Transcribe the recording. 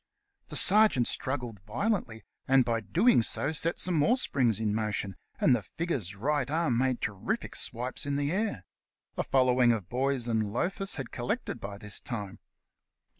The sergeant struggled violently, 30 The Cast iron Canvasser and by so doing set some more springs in motion, and the figure's right arm made terrific swipes in the air. A follow ing of boys and loafers had collected by this time.